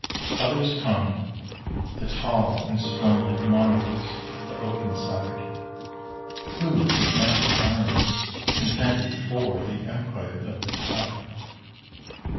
Others come, the tall and splendid Monarchs of the oaken side, Who, with master arms, contended For the empire of the tide.